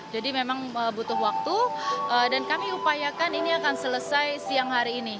jadi memang butuh waktu dan kami upayakan ini akan selesai siang hari ini